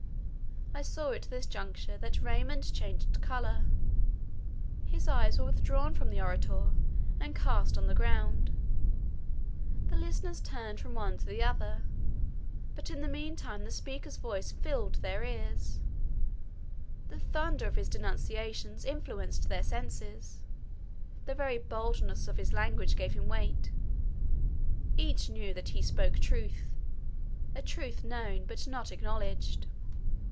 I saw at this juncture that Raymond changed colour; his eyes were withdrawn from the orator, and cast on the ground; the listeners turned from one to the other; but in the meantime the speaker's voice filled their ears—the thunder of his denunciations influenced their senses. The very boldness of his language gave him weight; each knew that he spoke truth—a truth known, but not acknowledged.